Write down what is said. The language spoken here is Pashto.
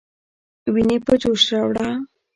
ويني په جوش راوړه.